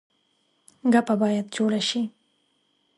ګپه باید جوړه شي.